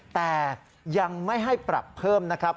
แต่ยังไม่ให้ปรับเพิ่มนะครับ